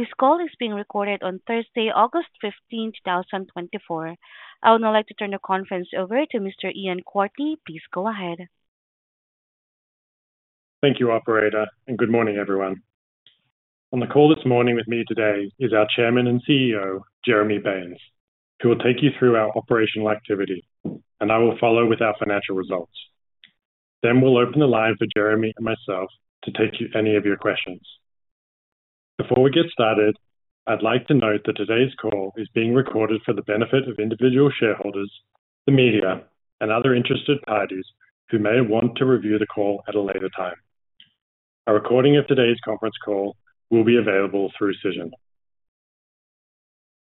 This call is being recorded on Thursday, August 15th, 2024. I would now like to turn the conference over to Mr. Ian Quartly. Please go ahead. Thank you, operator, and good morning, everyone. On the call this morning with me today is our Chairman and CEO, Jeremy Baines, who will take you through our operational activity, and I will follow with our financial results. Then we'll open the line for Jeremy and myself to take any of your questions. Before we get started, I'd like to note that today's call is being recorded for the benefit of individual shareholders, the media, and other interested parties who may want to review the call at a later time. A recording of today's conference call will be available through Cision.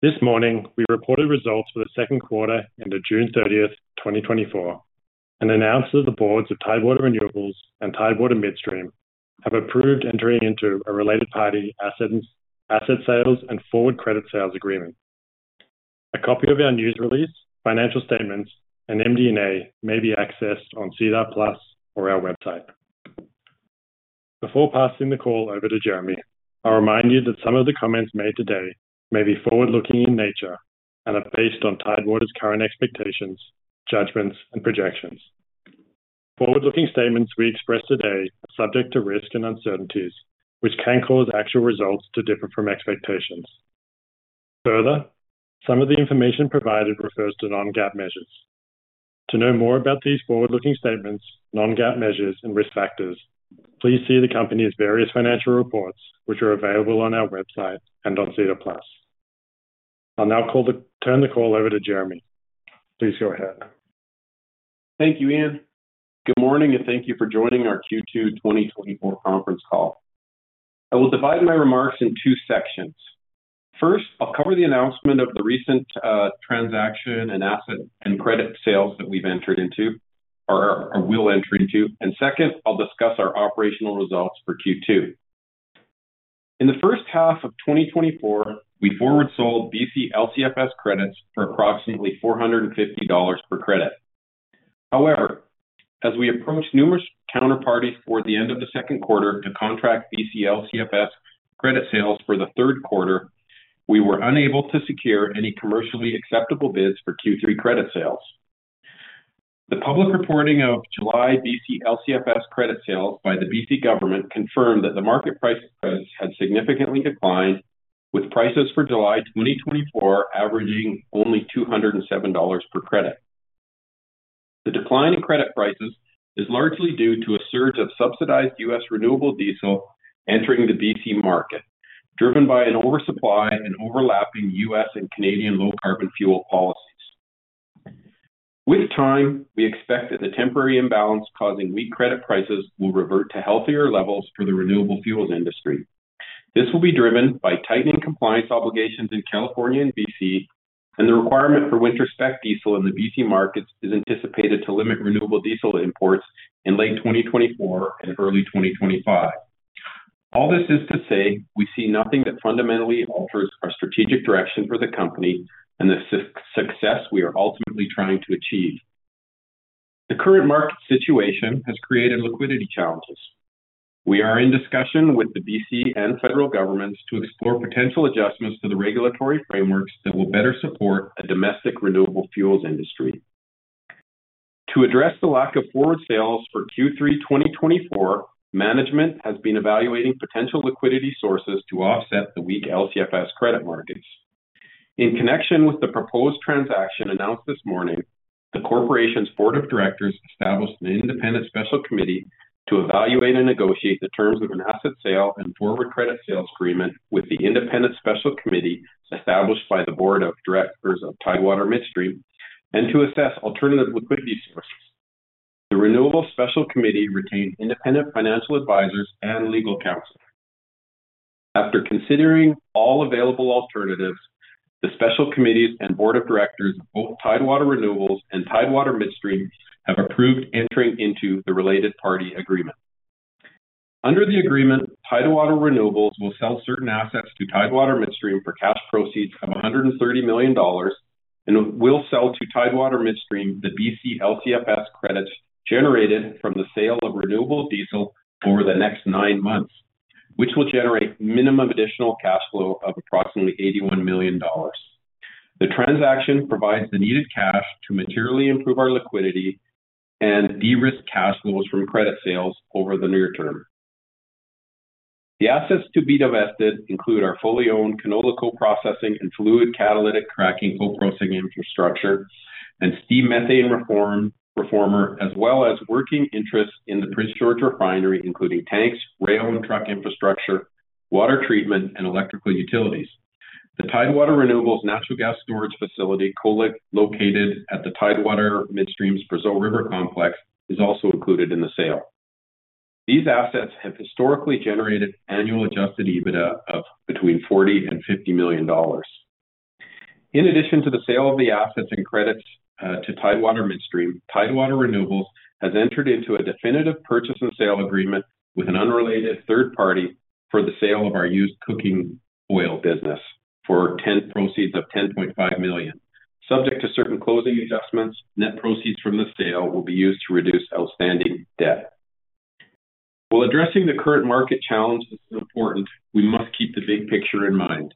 This morning, we reported results for the second quarter ended June 30, 2024, and announced that the boards of Tidewater Renewables and Tidewater Midstream have approved entering into a related party asset sales and forward credit sales agreement. A copy of our news release, financial statements, and MD&A may be accessed on SEDAR+ or our website. Before passing the call over to Jeremy, I'll remind you that some of the comments made today may be forward-looking in nature and are based on Tidewater's current expectations, judgments, and projections. Forward-looking statements we express today are subject to risk and uncertainties, which can cause actual results to differ from expectations. Further, some of the information provided refers to non-GAAP measures. To know more about these forward-looking statements, non-GAAP measures and risk factors, please see the company's various financial reports, which are available on our website and on SEDAR+. I'll now turn the call over to Jeremy. Please go ahead. Thank you, Ian. Good morning, and thank you for joining our Q2 2024 conference call. I will divide my remarks in two sections. First, I'll cover the announcement of the recent transaction and asset and credit sales that we've entered into or, or will enter into. Second, I'll discuss our operational results for Q2. In the first half of 2024, we forward sold BC LCFS credits for approximately $450 per credit. However, as we approached numerous counterparties toward the end of the second quarter to contract BC LCFS credit sales for the third quarter, we were unable to secure any commercially acceptable bids for Q3 credit sales. The public reporting of July BC LCFS credit sales by the BC government confirmed that the market price had significantly declined, with prices for July 2024 averaging only $207 per credit. The decline in credit prices is largely due to a surge of subsidized U.S. renewable diesel entering the BC market, driven by an oversupply and overlapping U.S. and Canadian low carbon fuel policies. With time, we expect that the temporary imbalance causing weak credit prices will revert to healthier levels for the renewable fuels industry. This will be driven by tightening compliance obligations in California and BC, and the requirement for winter spec diesel in the BC markets is anticipated to limit renewable diesel imports in late 2024 and early 2025. All this is to say, we see nothing that fundamentally alters our strategic direction for the company and the success we are ultimately trying to achieve. The current market situation has created liquidity challenges. We are in discussion with the BC and federal governments to explore potential adjustments to the regulatory frameworks that will better support a domestic renewable fuels industry. To address the lack of forward sales for Q3 2024, management has been evaluating potential liquidity sources to offset the weak LCFS credit markets. In connection with the proposed transaction announced this morning, the corporation's board of directors established an independent special committee to evaluate and negotiate the terms of an asset sale and forward credit sales agreement with the independent special committee, established by the board of directors of Tidewater Midstream, and to assess alternative liquidity sources. The Renewables Special Committee retained independent financial advisors and legal counsel. After considering all available alternatives, the special committees and board of directors of both Tidewater Renewables and Tidewater Midstream have approved entering into the related party agreement. Under the agreement, Tidewater Renewables will sell certain assets to Tidewater Midstream for cash proceeds of $ 130 million, and will sell to Tidewater Midstream the BC LCFS credits generated from the sale of renewable diesel over the next nine months, which will generate minimum additional cash flow of approximately $ 81 million. The transaction provides the needed cash to materially improve our liquidity and de-risk cash flows from credit sales over the near term. The assets to be divested include our fully owned canola co-processing and fluid catalytic cracking co-processing infrastructure and steam methane reformer, as well as working interests in the Prince George Refinery, including tanks, rail and truck infrastructure, water treatment, and electrical utilities. The Tidewater Renewables natural gas storage facility, co-located at the Tidewater Midstream's Brazeau River Complex, is also included in the sale. These assets have historically generated annual adjusted EBITDA of between $40 million and $50 million. In addition to the sale of the assets and credits to Tidewater Midstream, Tidewater Renewables has entered into a definitive purchase and sale agreement with an unrelated third party for the sale of our used cooking oil business for 10 proceeds of $ 10.5 million. Subject to certain closing adjustments, net proceeds from the sale will be used to reduce outstanding debt. While addressing the current market challenges is important, we must keep the big picture in mind.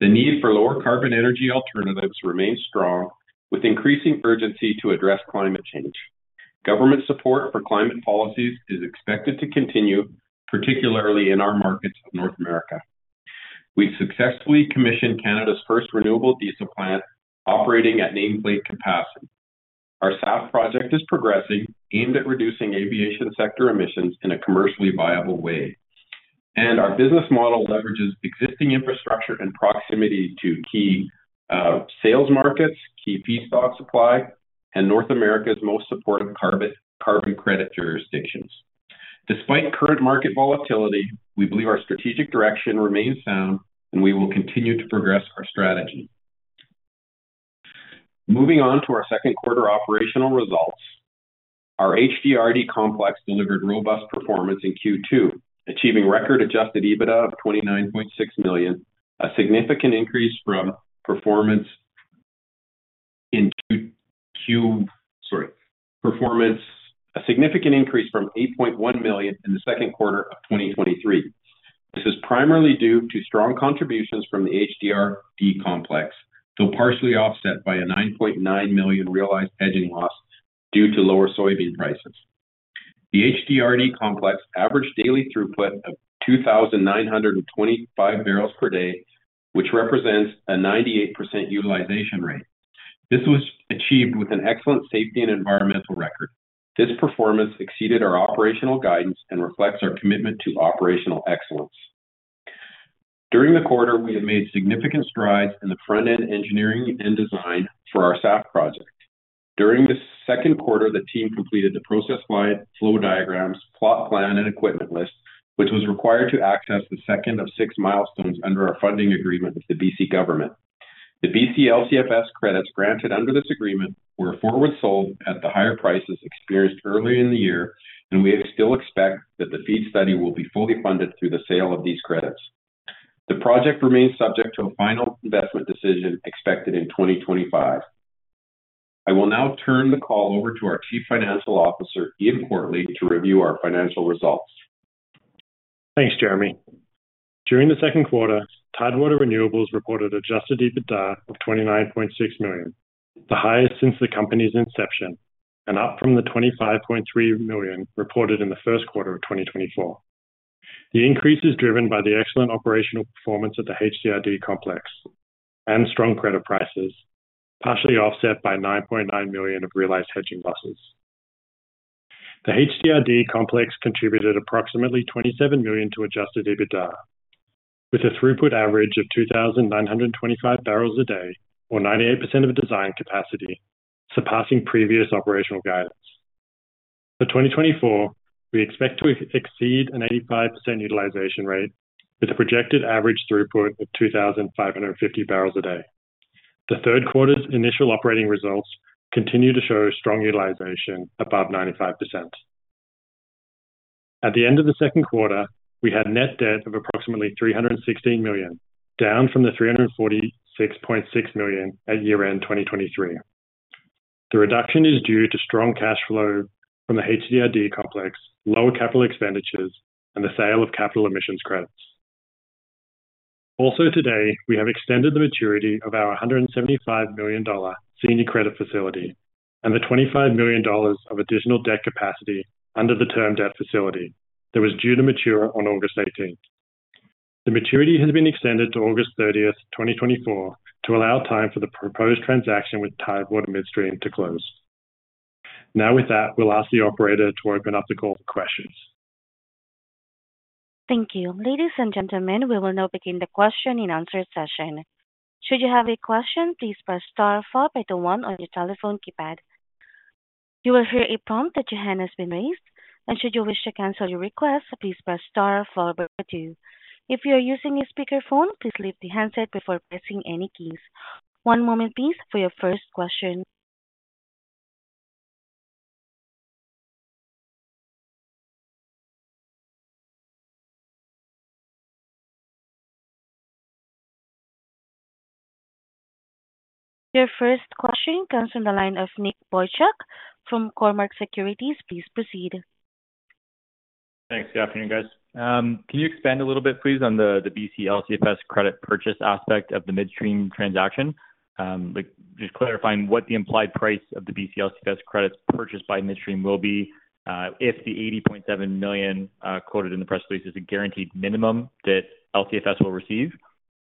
The need for lower carbon energy alternatives remains strong, with increasing urgency to address climate change. Government support for climate policies is expected to continue, particularly in our markets of North America. We've successfully commissioned Canada's first renewable diesel plant, operating at nameplate capacity. Our SAF project is progressing, aimed at reducing aviation sector emissions in a commercially viable way. And our business model leverages existing infrastructure and proximity to key sales markets, key feedstock supply, and North America's most supportive carbon, carbon credit jurisdictions. Despite current market volatility, we believe our strategic direction remains sound, and we will continue to progress our strategy. Moving on to our second quarter operational results. Our HDRD Complex delivered robust performance in Q2, achieving record Adjusted EBITDA of $ 29.6 million, a significant increase from performance in Q2. Performance, a significant increase from $ 8.1 million in the second quarter of 2023. This is primarily due to strong contributions from the HDRD Complex, though partially offset by a $ 9.9 million realized hedging loss due to lower soybean prices. The HDRD Complex averaged daily throughput of 2,925 barrels per day, which represents a 98% utilization rate. This was achieved with an excellent safety and environmental record. This performance exceeded our operational guidance and reflects our commitment to operational excellence. During the quarter, we have made significant strides in the front-end engineering and design for our SAF project. During the second quarter, the team completed the process line, flow diagrams, plot plan, and equipment list, which was required to access the second of six milestones under our funding agreement with the BC Government. The BC LCFS credits granted under this agreement were forward sold at the higher prices experienced earlier in the year, and we still expect that the FEED study will be fully funded through the sale of these credits. The project remains subject to a final investment decision expected in 2025. I will now turn the call over to our Chief Financial Officer, Ian Quartly, to review our financial results. Thanks, Jeremy. During the second quarter, Tidewater Renewables reported adjusted EBITDA of $ 29.6 million, the highest since the company's inception and up from the $ 25.3 million reported in the first quarter of 2024. The increase is driven by the excellent operational performance of the HDRD complex and strong credit prices, partially offset by $ 9.9 million of realized hedging losses. The HDRD complex contributed approximately $ 27 million to adjusted EBITDA, with a throughput average of 2,925 barrels a day, or 98% of design capacity, surpassing previous operational guidance. For 2024, we expect to exceed an 85% utilization rate, with a projected average throughput of 2,550 barrels a day. The third quarter's initial operating results continue to show strong utilization above 95%. At the end of the second quarter, we had net debt of approximately $ 316 million, down from the $ 346.6 million at year-end 2023. The reduction is due to strong cash flow from the HDRD complex, lower capital expenditures, and the sale of carbon emissions credits. Also today, we have extended the maturity of our $ 175 million senior credit facility and the $ 25 million of additional debt capacity under the term debt facility that was due to mature on August 18th. The maturity has been extended to August 30th, 2024, to allow time for the proposed transaction with Tidewater Midstream to close. Now, with that, we'll ask the operator to open up the call for questions. Thank you. Ladies and gentlemen, we will now begin the question and answer session. Should you have a question, please press star followed by one on your telephone keypad. You will hear a prompt that your hand has been raised, and should you wish to cancel your request, please press star followed by two. If you are using a speakerphone, please leave the handset before pressing any keys. One moment, please, for your first question. Your first question comes from the line of Nick Boychuk from Cormark Securities. Please proceed. Thanks. Good afternoon, guys. Can you expand a little bit, please, on the, the BC LCFS credit purchase aspect of the midstream transaction? Like, just clarifying what the implied price of the BC LCFS credits purchased by Midstream will be, if the $ 80.7 million quoted in the press release is a guaranteed minimum that LCFS will receive.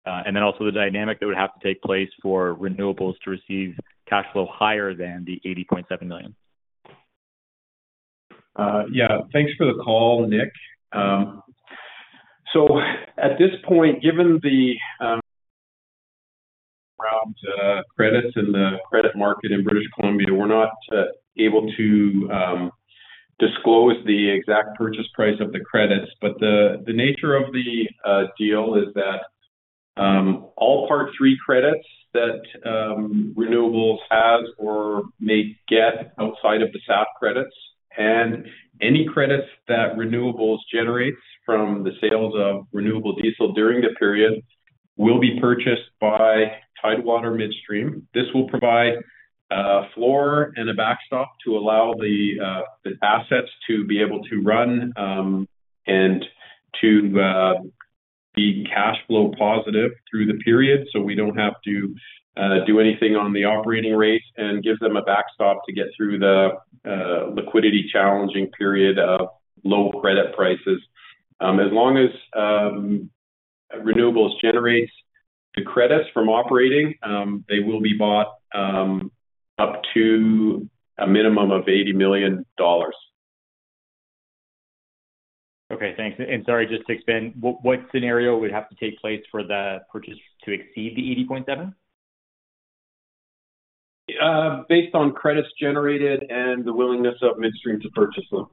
And then also the dynamic that would have to take place for renewables to receive cash flow higher than the $ 80.7 million. Yeah, thanks for the call, Nick. So at this point, given the credits and the credit market in British Columbia, we're not able to disclose the exact purchase price of the credits. But the nature of the deal is that all Part 3 credits that Renewables has or may get outside of the SAF credits, and any credits that Renewables generates from the sales of renewable diesel during the period will be purchased by Tidewater Midstream. This will provide a floor and a backstop to allow the assets to be able to run and to be cash flow positive through the period, so we don't have to do anything on the operating rates and give them a backstop to get through the liquidity challenging period of low credit prices. As long as renewables generates the credits from operating, they will be bought up to a minimum of $ 80 million. Okay, thanks. And sorry, just to expand, what scenario would have to take place for the purchase to exceed $ 80.7? Based on credits generated and the willingness of midstream to purchase them.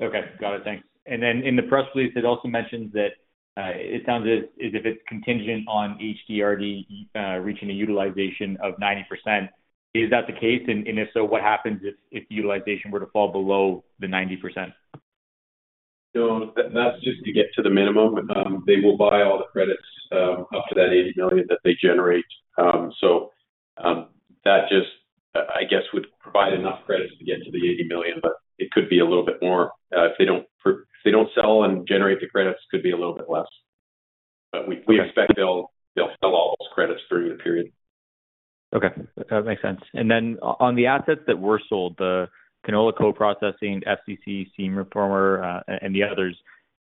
Okay, got it. Thanks. And then in the press release, it also mentions that it sounds as if it's contingent on HDRD reaching a utilization of 90%. Is that the case? And if so, what happens if utilization were to fall below the 90%? No, that's just to get to the minimum. They will buy all the credits, up to that 80 million that they generate. So, that just, I guess, would provide enough credits to get to the 80 million, but it could be a little bit more. If they don't sell and generate the credits, could be a little bit less. But we- Okay. We expect they'll sell all those credits through the period. Okay, that makes sense. And then on the assets that were sold, the canola co-processing, FCC steam reformer, and the others,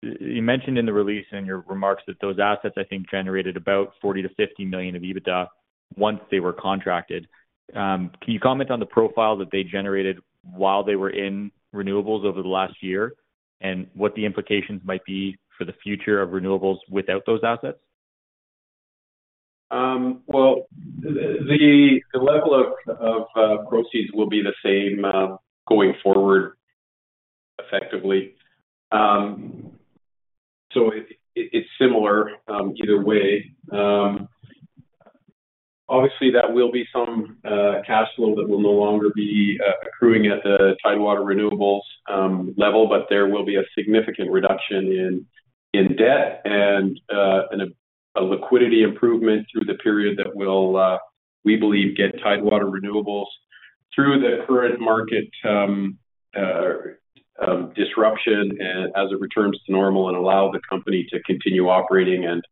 you mentioned in the release in your remarks that those assets, I think, generated about $40-$50 million of EBITDA once they were contracted. Can you comment on the profile that they generated while they were in renewables over the last year, and what the implications might be for the future of renewables without those assets? Well, the level of proceeds will be the same, going forward, effectively. So it's similar, either way. Obviously, that will be some cash flow that will no longer be accruing at the Tidewater Renewables level, but there will be a significant reduction in debt and a liquidity improvement through the period that will, we believe, get Tidewater Renewables through the current market disruption, and as it returns to normal and allow the company to continue operating. And,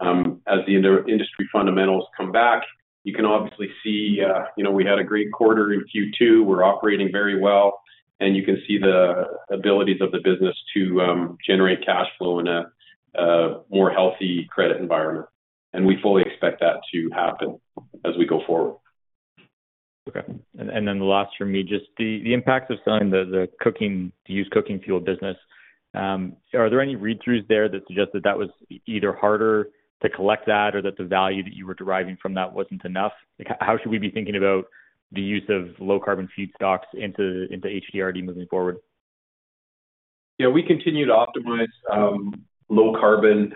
as the industry fundamentals come back, you can obviously see, you know, we had a great quarter in Q2. We're operating very well, and you can see the abilities of the business to generate cash flow in a more healthy credit environment. We fully expect that to happen as we go forward. Okay. And then the last from me, just the impact of selling the used cooking fuel business. Are there any read-throughs there that suggest that that was either harder to collect that or that the value that you were deriving from that wasn't enough? Like, how should we be thinking about the use of low-carbon feedstocks into HDRD moving forward? Yeah, we continue to optimize low carbon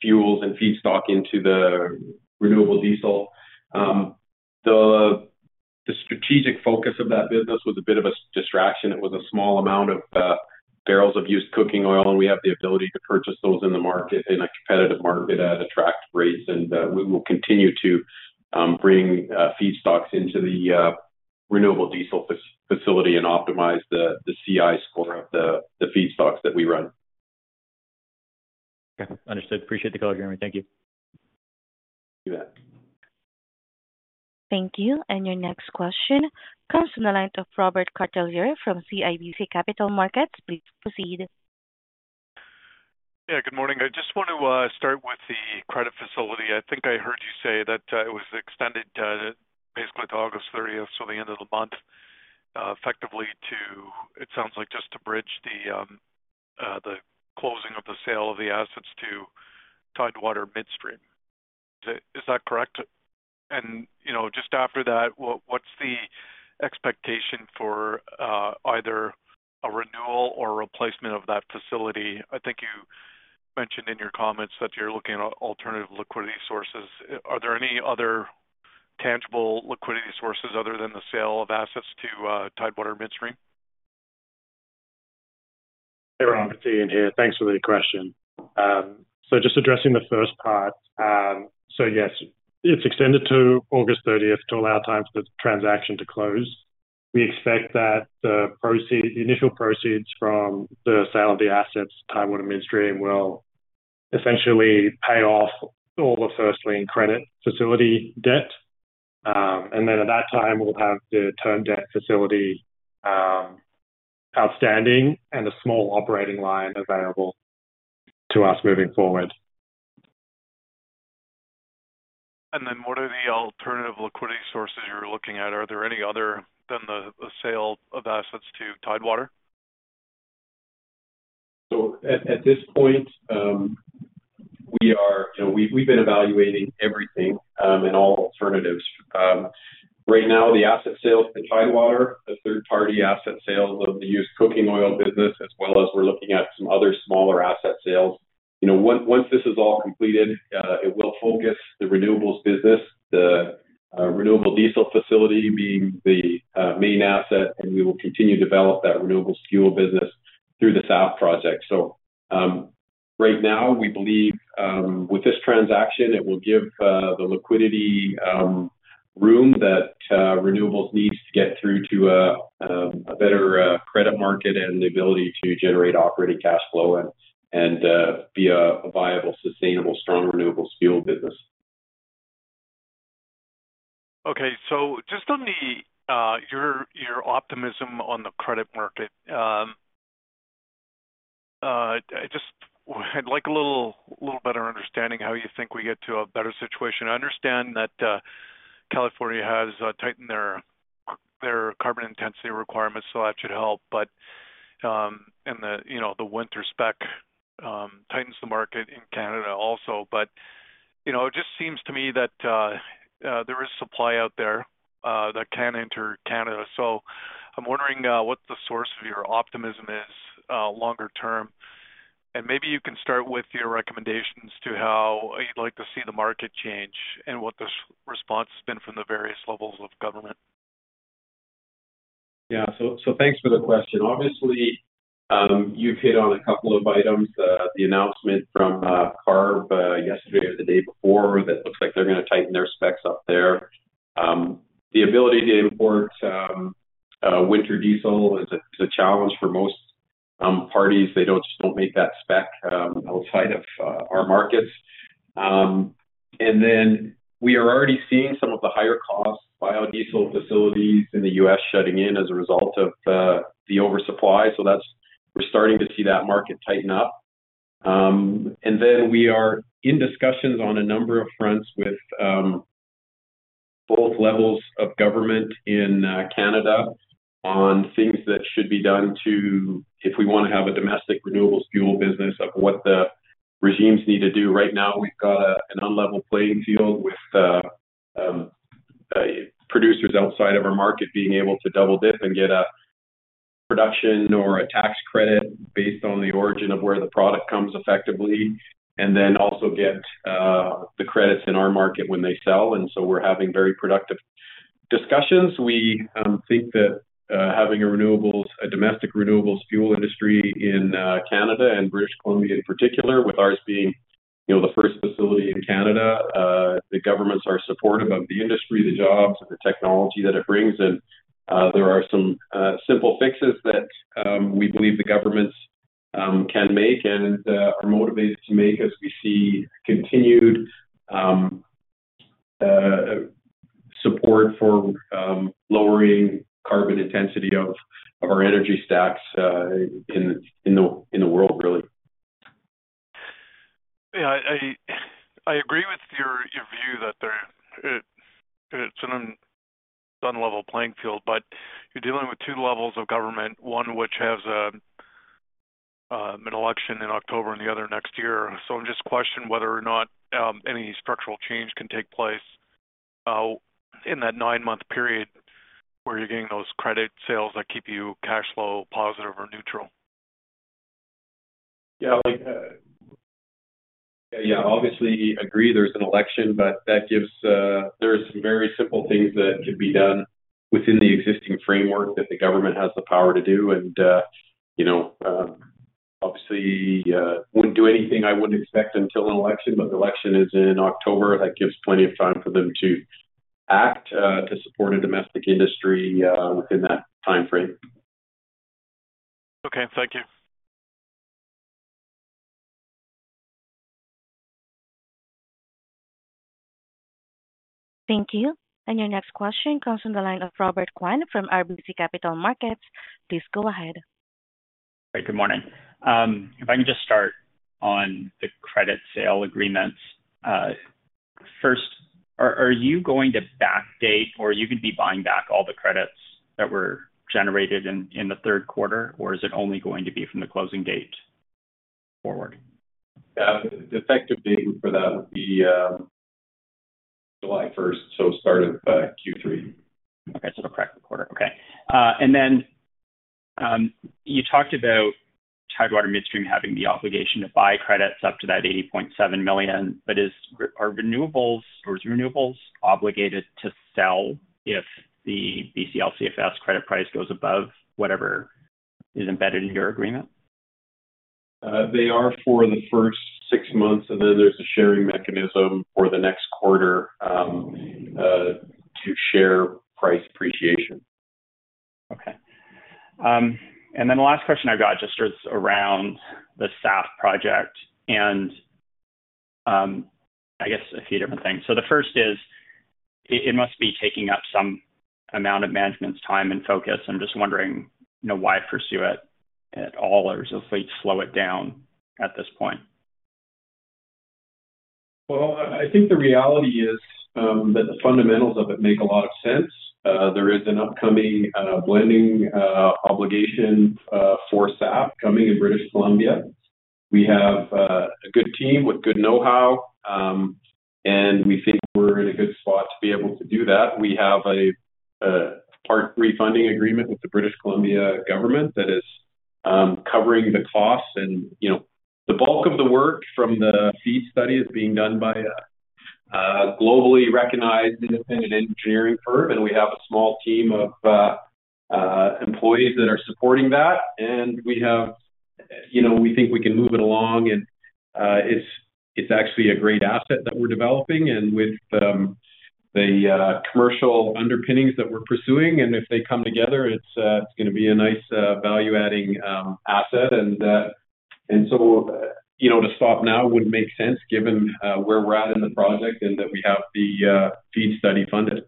fuels and feedstock into the renewable diesel. The strategic focus of that business was a bit of a distraction. It was a small amount of barrels of used cooking oil, and we have the ability to purchase those in the market, in a competitive market, at attractive rates. And we will continue to bring feedstocks into the renewable diesel facility and optimize the CI score of the feedstocks that we run. Okay, understood. Appreciate the color, Jeremy. Thank you. You bet. Thank you. Your next question comes from the line of Robert Catellier from CIBC Capital Markets. Please proceed. Yeah, good morning. I just want to start with the credit facility. I think I heard you say that it was extended basically to August 30th, so the end of the month effectively to... It sounds like just to bridge the closing of the sale of the assets to Tidewater Midstream. Is that, is that correct? And, you know, just after that, what, what's the expectation for either a renewal or replacement of that facility? I think you mentioned in your comments that you're looking at alternative liquidity sources. Are there any other tangible liquidity sources other than the sale of assets to Tidewater Midstream? Hey, Robert, Ian here. Thanks for the question. So just addressing the first part. So yes, it's extended to August thirtieth to allow time for the transaction to close. We expect that the initial proceeds from the sale of the assets, Tidewater Midstream, will essentially pay off all the first lien credit facility debt. And then at that time, we'll have the term debt facility outstanding and a small operating line available to us moving forward. And then what are the alternative liquidity sources you're looking at? Are there any other than the sale of assets to Tidewater? So at this point, you know, we've been evaluating everything and all alternatives. Right now, the asset sales to Tidewater, the third-party asset sales of the used cooking oil business, as well as we're looking at some other smaller asset sales. You know, once this is all completed, it will focus the renewables business, the renewable diesel facility being the main asset, and we will continue to develop that renewables fuel business through the SAF project. So, right now, we believe, with this transaction, it will give the liquidity room that renewables needs to get through to a better credit market and the ability to generate operating cash flow and be a viable, sustainable, strong renewables fuel business. Okay. So just on the, your optimism on the credit market, I just-- I'd like a little better understanding how you think we get to a better situation. I understand that, California has tightened their carbon intensity requirements, so that should help. But, and the, you know, the winter spec tightens the market in Canada also. But, you know, it just seems to me that, there is supply out there that can enter Canada. So I'm wondering, what the source of your optimism is, longer term. And maybe you can start with your recommendations to how you'd like to see the market change and what the response has been from the various levels of government. Yeah. So thanks for the question. Obviously, you've hit on a couple of items. The announcement from CARB yesterday or the day before looks like they're gonna tighten their specs up there. The ability to import winter diesel is a challenge for most parties. They just don't meet that spec outside of our markets. And then we are already seeing some of the higher cost biodiesel facilities in the U.S. shutting in as a result of the oversupply. So that's. We're starting to see that market tighten up. And then we are in discussions on a number of fronts with both levels of government in Canada on things that should be done to... if we wanna have a domestic renewables fuel business, of what the regimes need to do. Right now, we've got an unlevel playing field with producers outside of our market being able to double-dip and get a production or a tax credit based on the origin of where the product comes effectively, and then also get the credits in our market when they sell. And so we're having very productive discussions. We think that having renewables, a domestic renewables fuel industry in Canada and British Columbia in particular, with ours being, you know, the first facility in Canada, the governments are supportive of the industry, the jobs, and the technology that it brings. There are some simple fixes that we believe the governments can make and are motivated to make, as we see continued support for lowering carbon intensity of our energy stacks in the world, really. Yeah, I agree with your view that it's an unlevel playing field, but you're dealing with two levels of government, one which has an election in October and the other next year. So I'm just questioning whether or not any structural change can take place in that nine-month period, where you're getting those credit sales that keep you cash flow positive or neutral. Yeah. Like... Yeah, yeah, obviously agree there's an election, but that gives, there are some very simple things that can be done within the existing framework that the government has the power to do. And, you know, obviously, wouldn't do anything I wouldn't expect until the election, but the election is in October. That gives plenty of time for them to act, to support a domestic industry, within that timeframe. Okay. Thank you. Thank you. Your next question comes from the line of Robert Kwan from RBC Capital Markets. Please go ahead. Hey, good morning. If I can just start on the credit sale agreements. First, are you going to backdate or you could be buying back all the credits that were generated in the third quarter? Or is it only going to be from the closing date forward? Yeah. The effective date for that would be July first, so start of Q3. Okay. So the correct quarter. Okay. And then, you talked about Tidewater Midstream having the obligation to buy credits up to that $ 80.7 million, but are renewables or renewables obligated to sell if the BC LCFS credit price goes above whatever is embedded in your agreement? They are for the first six months, and then there's a sharing mechanism for the next quarter, to share price appreciation. Okay. And then the last question I've got just is around the SAF project and, I guess a few different things. So the first is, it must be taking up some amount of management's time and focus. I'm just wondering, you know, why pursue it at all, or just like slow it down at this point? Well, I think the reality is, that the fundamentals of it make a lot of sense. There is an upcoming, blending, obligation, for SAF coming in British Columbia. We have, a good team with good know-how, and we think we're in a good spot to be able to do that. We have a, Part 3 funding agreement with the British Columbia government that is covering the costs and, you know, the bulk of the work from the feed study is being done by a, a globally recognized independent engineering firm, and we have a small team of, employees that are supporting that. And we have, you know, we think we can move it along and it's actually a great asset that we're developing and with the commercial underpinnings that we're pursuing, and if they come together, it's gonna be a nice value-adding asset. So, you know, to stop now wouldn't make sense given where we're at in the project and that we have the feed study funded.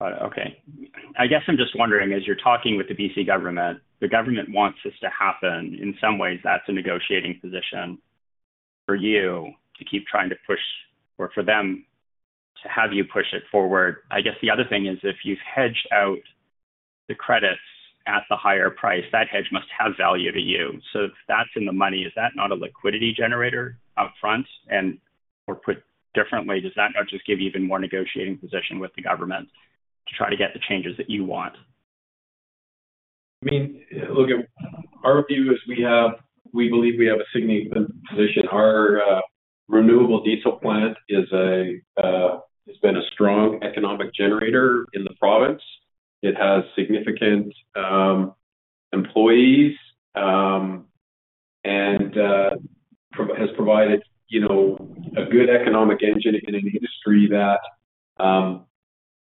Okay. I guess I'm just wondering, as you're talking with the BC Government, the government wants this to happen. In some ways, that's a negotiating position for you to keep trying to push or for them to have you push it forward. I guess the other thing is, if you've hedged out the credits at the higher price, that hedge must have value to you. So if that's in the money, is that not a liquidity generator upfront? And, or put differently, does that not just give you even more negotiating position with the government to try to get the changes that you want? I mean, look, our view is we have we believe we have a significant position. Our renewable diesel plant is a has been a strong economic generator in the province. It has significant employees and has provided, you know, a good economic engine in an industry that the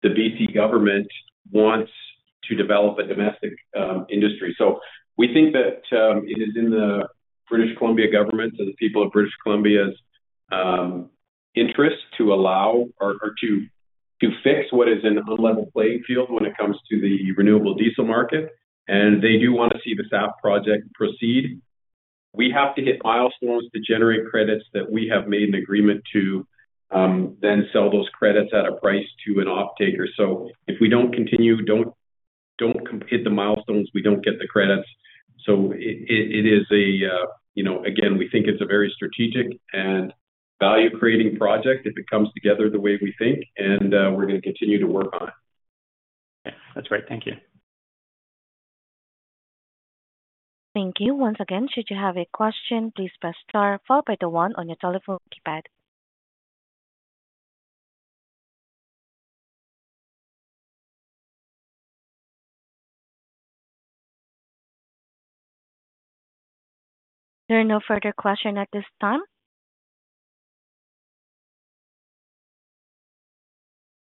BC government wants to develop a domestic industry. So we think that it is in the British Columbia government and the people of British Columbia's interest to allow or to fix what is an unleveled playing field when it comes to the renewable diesel market, and they do want to see the SAF project proceed. We have to hit milestones to generate credits that we have made an agreement to then sell those credits at a price to an offtaker. So if we don't continue, don't hit the milestones, we don't get the credits. So it is a, you know... Again, we think it's a very strategic and value-creating project if it comes together the way we think, and we're gonna continue to work on it. That's great. Thank you. Thank you. Once again, should you have a question, please press star followed by one on your telephone keypad. There are no further questions at this time.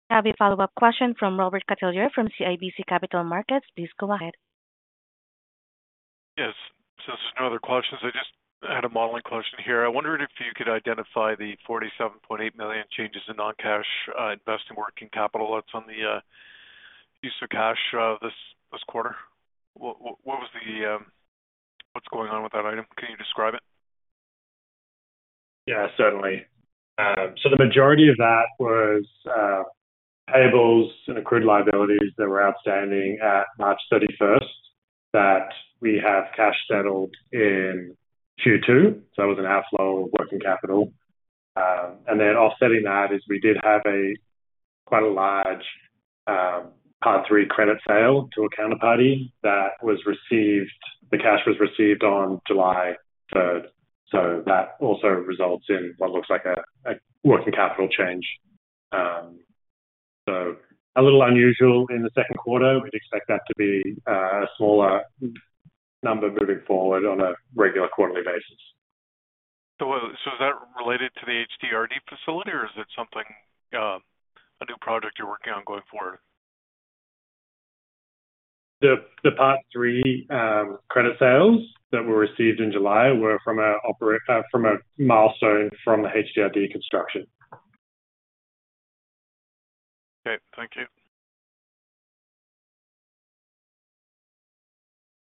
We have a follow-up question from Robert Catellier from CIBC Capital Markets. Please go ahead. Yes. Since there's no other questions, I just had a modeling question here. I wondered if you could identify the $ 47.8 million changes in non-cash investing working capital that's on the use of cash this quarter. What was the... What's going on with that item? Can you describe it? Yeah, certainly. So the majority of that was, payables and accrued liabilities that were outstanding at March 31st, that we have cash settled in Q2, so that was an outflow of working capital. And then offsetting that is we did have a, quite a large, Part 3 credit sale to a counterparty that was received, the cash was received on July 3rd. So that also results in what looks like a, a working capital change. So a little unusual in the second quarter. We'd expect that to be, a smaller number moving forward on a regular quarterly basis. So, so is that related to the HDRD facility, or is it something, a new project you're working on going forward? The Part 3 credit sales that were received in July were from a milestone from the HDRD construction. Okay, thank you.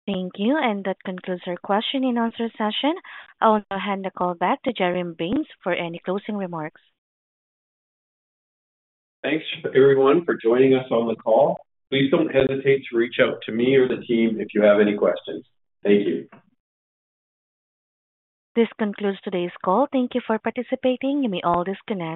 Thank you, and that concludes our question and answer session. I want to hand the call back to Jeremy Baines for any closing remarks. Thanks, everyone, for joining us on the call. Please don't hesitate to reach out to me or the team if you have any questions. Thank you. This concludes today's call. Thank you for participating. You may all disconnect.